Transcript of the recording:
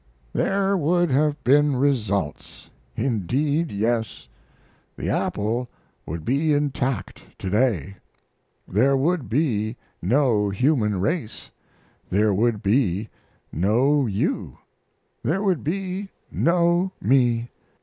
There would have been results! Indeed yes. The apple would be intact to day; there would be no human race; there would be no you; there would be no me.